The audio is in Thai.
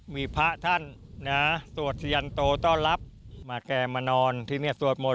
มีพระท่านนะสวดสยันโตต้อนรับมาแก่มานอนที่นี่สวดมน